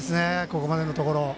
ここまでのところ。